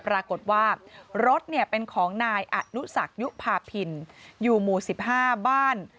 ปรากฏว่ารถเป็นของนายอนุสักยุภาพินอยู่หมู่๑๕บ้าน